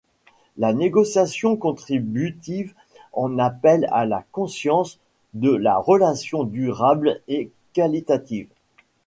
La négociation contributive en appelle à la conscience de la relation durable et qualitative.